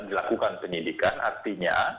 dilakukan penyelidikan artinya